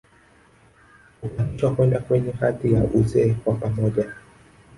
Hupandishwa kwenda kwenye hadhi ya uzee kwa pamoja